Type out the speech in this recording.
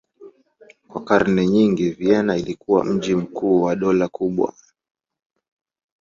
Kwa karne nyingi Vienna ilikuwa mji mkuu wa dola kubwa.